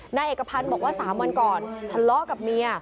นายเอกพันธ์บอกว่า๓วันก่อนทะเลาะกับเมีย